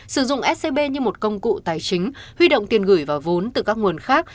sử dụng scb như một công cụ tài chính huy động tiền gửi và vốn từ các nguồn khác